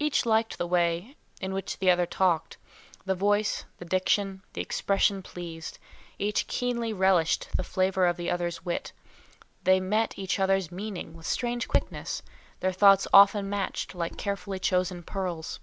Each liked the way in which the other talked; the voice, the diction, the expression pleased; each keenly relished the flavour of the other's wit; they met each other's meaning with strange quickness, their thoughts often matched like carefully chosen pearls.